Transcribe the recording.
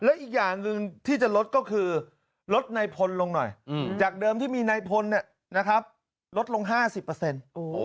และอีกอย่างหนึ่งที่จะลดก็คือลดในพลลงหน่อยอืมจากเดิมที่มีในพลเนี่ยนะครับลดลงห้าสิบเปอร์เซ็นต์